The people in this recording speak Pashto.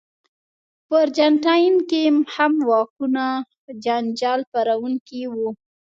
په ارجنټاین کې هم واکونه جنجال پاروونکي وو.